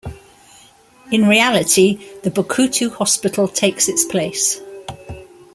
In reality, the Bokuto Hospital takes its place.